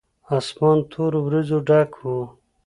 اسمان تورو وريځو ډک و.